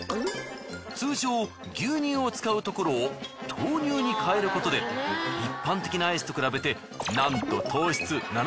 通常牛乳を使うところを豆乳に代えることで一般的なアイスと比べてなんと。